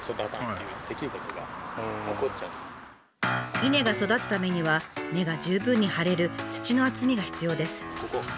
稲が育つためには根が十分に張れる土の厚みが必要です。